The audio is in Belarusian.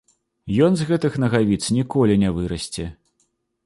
Ён з гэтых нагавіц ніколі не вырасце.